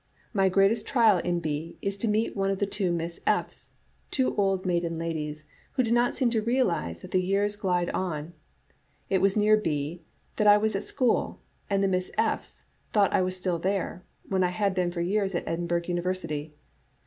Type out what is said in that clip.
My greatest trial in B is to meet the two Miss F. 's, two old maiden Digitized by VjOOQ IC xxii }* A« J9arr(e* ladies, who do not seem to realize that the years g^lide on. It was near B that I was at school, and the Miss F. *s thought I was still there, when I had been for years at Edinburgh University.